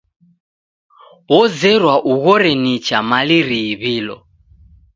Ozerwa ughore nicha mali riiw'ilo.